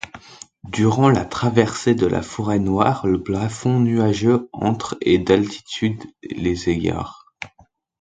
Durant la traversée de la Forêt-Noire, le plafond nuageux entre et d'altitude les égare.